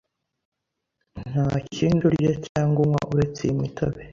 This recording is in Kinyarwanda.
nta kindi urya cyangwa unywa uretse iyi mitobe